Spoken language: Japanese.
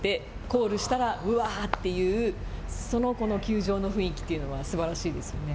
コールしたらうわあというその球場の雰囲気というのはすばらしいですよね。